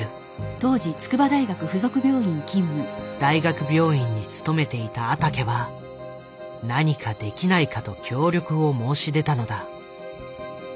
大学病院に勤めていた阿竹は何かできないかと協力を申し出たのだ。